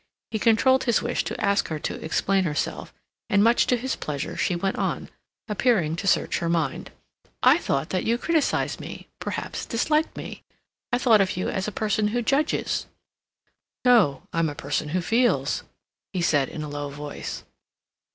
He controlled his wish to ask her to explain herself, and much to his pleasure she went on, appearing to search her mind. "I thought that you criticized me—perhaps disliked me. I thought of you as a person who judges—" "No; I'm a person who feels," he said, in a low voice.